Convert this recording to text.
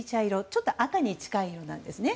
ちょっと赤に近い色なんですね。